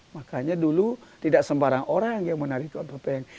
makanya dulu tidak sembarang orang yang menarik topeng